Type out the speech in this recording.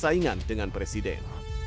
pada persaingan dengan presiden